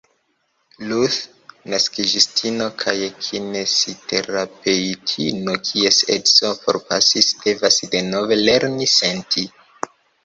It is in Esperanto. Ruth, masaĝistino kaj kinesiterapeŭtino kies edzo forpasis, devas denove lerni senti.